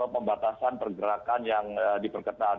pembatasan pergerakan yang diperkenat